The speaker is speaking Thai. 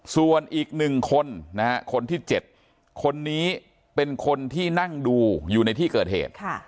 ส่วนอีก๑คนนะฮะคนที่๗คนนี้เป็นคนที่นั่งดูอยู่ในที่เกิดเหตุ